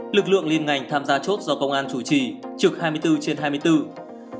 lực lượng liên ngành tham gia chốt do công an chủ trì trực hai mươi bốn trên hai mươi bốn